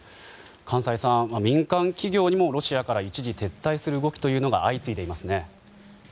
閑歳さん、民間企業にもロシアから一時撤退する動きが相次いでいますね。